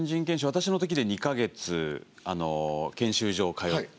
私のときで２か月研修所通ってそこで。